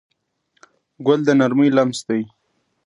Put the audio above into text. ګل د نرمۍ لمس دی.